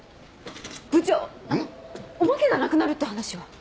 部長あのおまけがなくなるって話は？